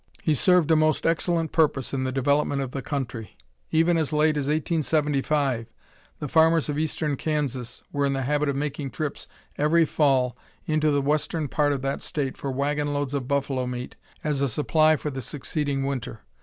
He served a most excellent purpose in the development of the country. Even as late as 1875 the farmers of eastern Kansas were in the habit of making trips every fall into the western part of that State for wagon loads of buffalo meat as a supply for the succeeding winter.